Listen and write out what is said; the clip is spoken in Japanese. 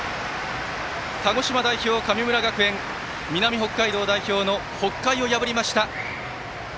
鹿児島代表、神村学園南北海道代表の北海を破りました。